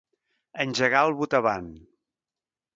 Engegar al botavant.